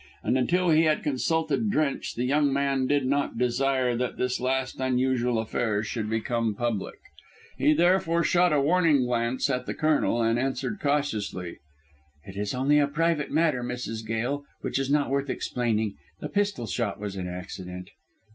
And until he had consulted Drench the young man did not desire that this last unusual affair should become public. He therefore shot a warning glance at the Colonel and answered cautiously: "It is only a private matter, Mrs. Gail, which is not worth explaining. The pistol shot was an accident."